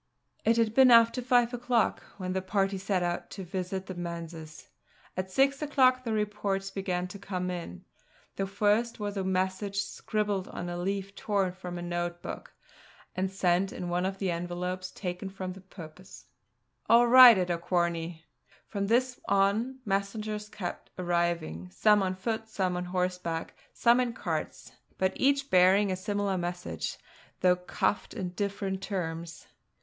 It had been after five o'clock when the party set out to visit the manses; at six o'clock the reports began to come in. The first was a message scribbled on a leaf torn from a note book, and sent in one of the envelopes taken for the purpose. "All right at Auquharney." From this on, messengers kept arriving, some on foot, some on horseback, some in carts: but each bearing a similar message, though couched in different terms.